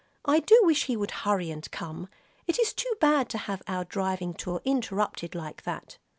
I do wish he would hurry and come. It is too bad to have our driving tour interrupted like that."